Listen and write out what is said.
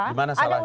di mana salahnya